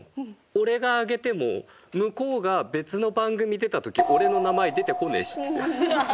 俺が挙げても向こうが別の番組出た時俺の名前出てこねえしってすごい思う。